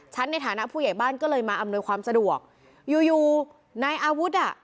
ในฐานะผู้ใหญ่บ้านก็เลยมาอำนวยความสะดวกอยู่อยู่นายอาวุธอ่ะ